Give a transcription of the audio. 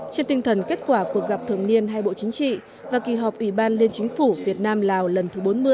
trên tinh thần kết quả cuộc gặp thường niên hai bộ chính trị và kỳ họp ủy ban liên chính phủ việt nam lào lần thứ bốn mươi